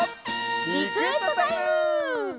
リクエストタイム！